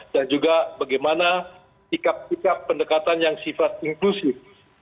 dan juga bagaimana sikap sikap pendekatan yang sifat inklusif